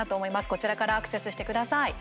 こちらからアクセスしてください。